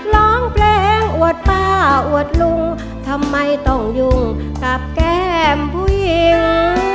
ร้องเพลงอวดป้าอวดลุงทำไมต้องยุ่งกับแก้มผู้หญิง